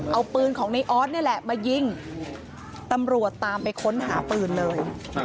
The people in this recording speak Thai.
เอาปืนของในออสนี่แหละมายิงตำรวจตามไปค้นหาปืนเลย